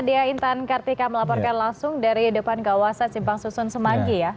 dia intan kartika melaporkan langsung dari depan kawasan simpang susun semanggi ya